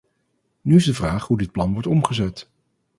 Nu is de vraag hoe dit plan wordt omgezet.